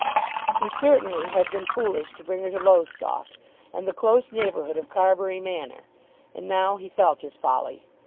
He certainly had been foolish to bring her to Lowestoft, and the close neighbourhood of Carbury Manor; and now he felt his folly.